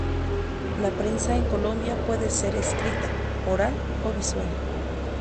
La prensa en Colombia puede ser escrita, oral o visual.